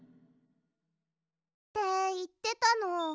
っていってたの。